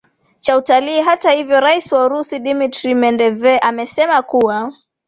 cha utalii hata hivyo rais wa urusi dmitry mendeveev amesema kuwa